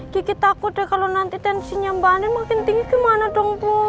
gigit aku deh kalau nanti tensinya mbak andien makin tinggi gimana dong bu